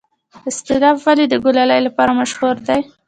استالف ولې د کلالۍ لپاره مشهور دی؟